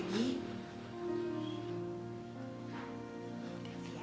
terima kasih ya